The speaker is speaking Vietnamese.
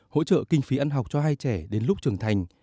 hỗ trợ kinh phí ăn học cho hai trẻ đến lúc trưởng thành